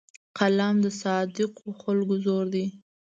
قلم د صادقو خلکو زور دی